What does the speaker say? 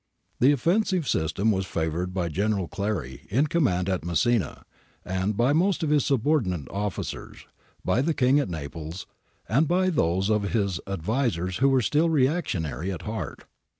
The offensive system was favoured by General Clary in command at Messina and by most of his subordinate officers, by the King at Naples, and by those of his ad visers who were still reactionary at heart.